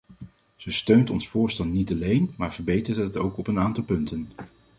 Ze steunt ons voorstel niet alleen, maar verbetert het ook op een aantal punten.